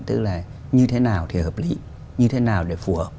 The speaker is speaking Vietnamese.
tức là như thế nào thì hợp lý như thế nào để phù hợp